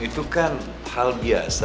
itu kan hal biasa